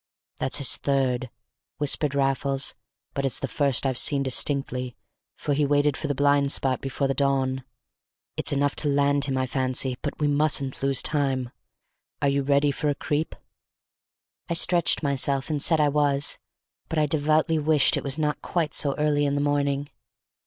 "That's his third," whispered Raffles, "but it's the first I've seen distinctly, for he waited for the blind spot before the dawn. It's enough to land him, I fancy, but we mustn't lose time. Are you ready for a creep?" I stretched myself, and said I was; but I devoutly wished it was not quite so early in the morning.